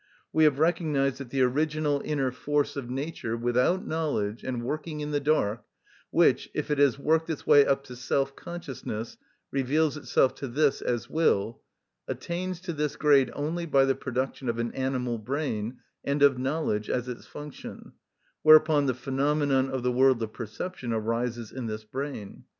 We have recognised that the original inner force of nature, without knowledge and working in the dark, which, if it has worked its way up to self‐consciousness, reveals itself to this as will, attains to this grade only by the production of an animal brain and of knowledge, as its function, whereupon the phenomenon of the world of perception arises in this brain.